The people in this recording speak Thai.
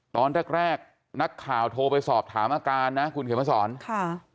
ตอนแรกแรกนักข่าวโทรไปสอบถามอาการนะคุณเขียนมาสอนค่ะ